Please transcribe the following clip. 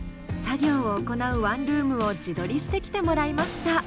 作業を行うワンルームを自撮りしてきてもらいました。